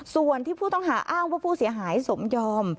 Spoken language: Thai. ส่วนที่ผู้ต้องหาอ้างว่าผู้เสียหายสมยอม